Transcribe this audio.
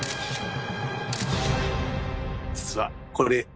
実はこれ。